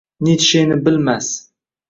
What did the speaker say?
Nitsheni bilmas